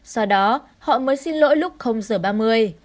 sau đó họ mới xin lỗi lúc giờ ba mươi